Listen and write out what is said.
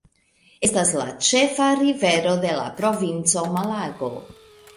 Estas la ĉefa rivero de la provinco Malago.